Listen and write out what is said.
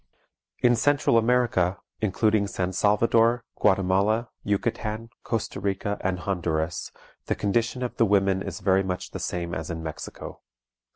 In Central America, including San Salvador, Guatemala, Yucatan, Costa Rica, and Honduras, the condition of the women is very much the same as in Mexico.